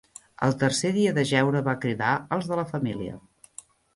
Al tercer dia de jeure va cridar als de la família